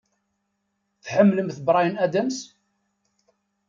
Tḥemmlemt Bryan Adams?